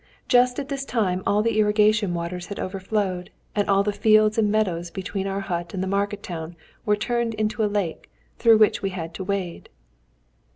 Just at this time all the irrigation waters had overflowed, and all the fields and meadows between our hut and the market town were turned into a lake, through which we had to wade."